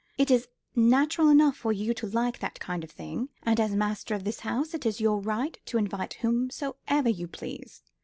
It is natural enough for you to like that kind of thing; and, as master of this house, it is your right to invite whomsoever you please.